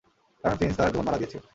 কারণ ফিঞ্চ তার ধোন মারা দিয়েছে।